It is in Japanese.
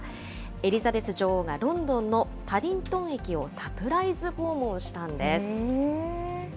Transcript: エリザベス女王がロンドンのパディントン駅をサプライズ訪問したんです。